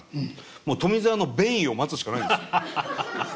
もう富澤の便意を待つしかないんですよ。